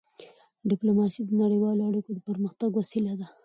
ډیپلوماسي د نړیوالو اړیکو د پرمختګ وسیله ده.